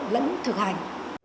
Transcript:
lẫn thực hành